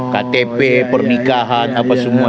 ktp pernikahan apa semua